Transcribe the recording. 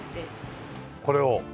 これを？